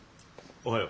おはよう。